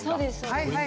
はいはい。